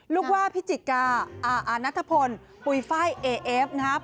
ลูกว่าพิจิกาอานัทพลปุ๋ยไฟล์เอเอฟนะครับ